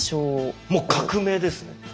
もう革命ですね。